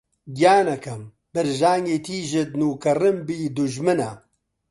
گیانەکەم! برژانگی تیژت نووکە ڕمبی دوژمنە